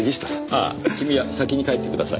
ああ君は先に帰ってください。